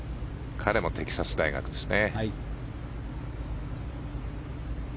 彼もテキサス大学ですね。